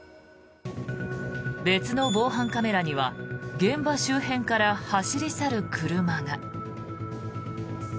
別の防犯カメラには現場周辺から走り去る車が。